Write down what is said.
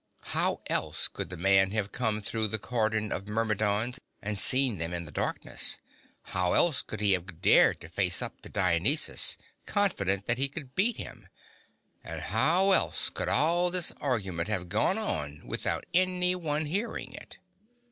How else could the man have come through the cordon of Myrmidons and seen them in the darkness? How else would he have dared to face up to Dionysus confident that he could beat him? And how else could all this argument have gone on without anyone hearing it?